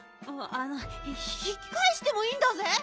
あのひきかえしてもいいんだぜ。